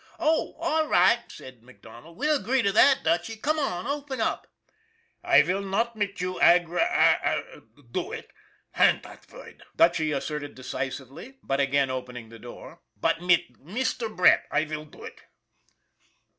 "Oh, all right!" said MacDonald. "We'll agree to that, Dutchy. Come on open up !"" I vill not mit you aggra arra do it hang dot vord !" Dutchy asserted decisively, but again opening the door. " But mit Mister Brett I vill do it."